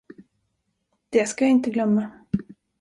Det skall jag inte glömma.